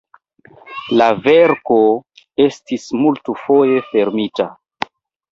La verko estis multfoje filmita.